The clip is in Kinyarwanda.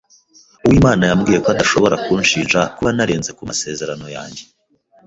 Uwimana yambwiye ko adashobora kunshinja kuba narenze ku masezerano yanjye.